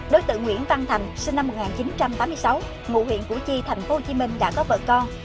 đối tượng nguyễn văn thành sinh năm một nghìn chín trăm tám mươi sáu ngụ huyện củ chi tp hcm đã có vợ con